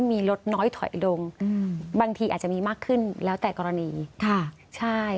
มีลดน้อยถอยลงอืมบางทีอาจจะมีมากขึ้นแล้วแต่กรณีค่ะใช่